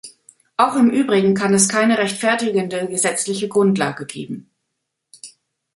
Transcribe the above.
Auch im Übrigen kann es keine rechtfertigende gesetzliche Grundlage geben.